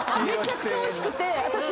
めちゃくちゃおいしくて私。